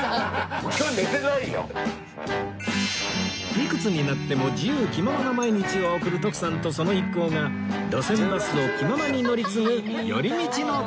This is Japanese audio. いくつになっても自由気ままな毎日を送る徳さんとその一行が路線バスを気ままに乗り継ぐ寄り道の旅